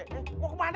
eh mau kemana lo